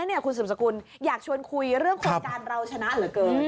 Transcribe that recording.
คุณสืบสกุลอยากชวนคุยเรื่องโครงการเราชนะเหลือเกิน